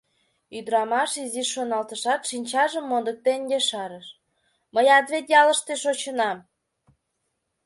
— Ӱдрамаш изиш шоналтышат, шинчажым модыктен, ешарыш: — Мыят вет ялыште шочынам.